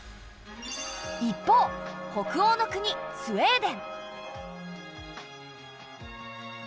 一方北欧の国スウェーデン。